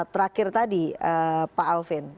terakhir tadi pak alvin